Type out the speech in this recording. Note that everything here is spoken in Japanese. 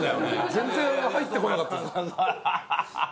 全然入ってこなかった質問がね。